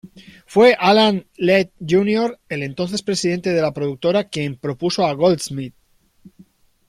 Fue Alan Ladd, Jr, el entonces presidente de la productora, quien propuso a Goldsmith.